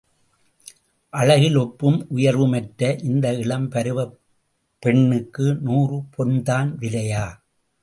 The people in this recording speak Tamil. அழகில் ஒப்பும் உயர்வுமற்ற இந்த இளம் பருவப் பெண்ணுக்கு நூறு பொன்தான் விலையா?